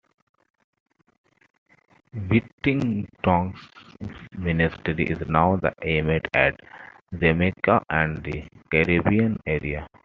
Whittington's ministry is now aimed at Jamaica and the Caribbean area.